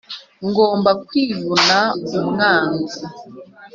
ngomba kwivuna umwanzi